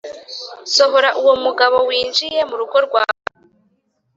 Sohora uwo mugabo winjiye murugo rwawe